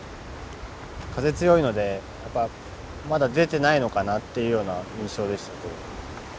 風強いのでやっぱまだ出てないのかなっていうような印象でしたけど。